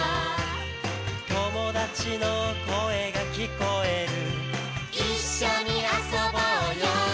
「友達の声が聞こえる」「一緒に遊ぼうよ」